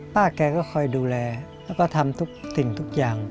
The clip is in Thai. ป้าแกก็คอยดูแลและทำสิ่งทุกอย่าง